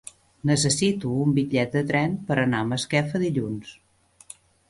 Necessito un bitllet de tren per anar a Masquefa dilluns.